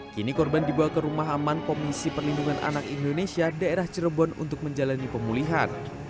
kini korban dibawa ke rumah aman komisi perlindungan anak indonesia daerah cirebon untuk menjalani pemulihan